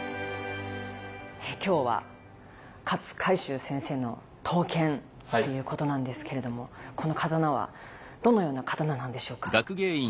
今日は勝海舟先生の刀剣ということなんですけれどもこの刀はどのような刀なんでしょうか。